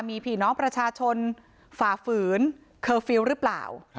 มีผีน้องประชาชนฝ่าฝืนเคอร์ฟิลล์หรือเปล่า